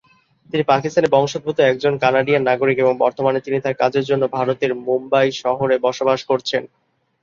তিনি পাকিস্তানি বংশোদ্ভূত একজন কানাডিয়ান নাগরিক এবং বর্তমানে তিনি তার কাজের জন্য ভারতের মুম্বাই শহরে বসবাস করছেন।